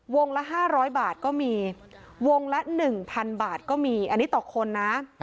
ละ๕๐๐บาทก็มีวงละ๑๐๐๐บาทก็มีอันนี้ต่อคนนะ